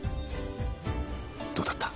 どうだった？